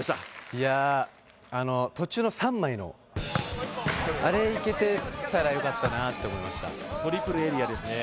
いやあの途中の３枚のあれいけてたらよかったなって思いましたトリプルエリアですね